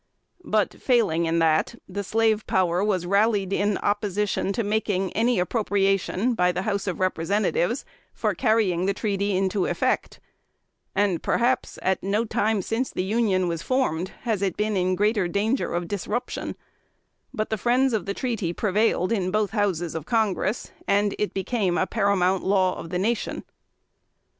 But failing in that, the slave power was rallied in opposition to making any appropriation, by the House of Representatives, for carrying the treaty into effect, and perhaps at no time since the Union was formed, has it been in greater danger of disruption; but the friends of the treaty prevailed in both Houses of Congress, and it became a paramount law of the nation.